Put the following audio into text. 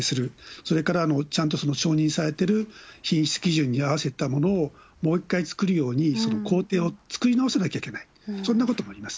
それからちゃんと承認されてる品質基準に合わせたものをもう一回作るように工程を作り直さなきゃいけない、そんなこともあります。